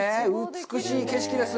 美しい景色です。